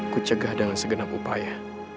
ku cegah dengan segenap upaya